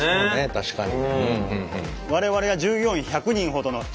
確かに。